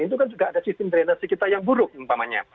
itu kan juga ada sistem drenase kita yang buruk umpamanya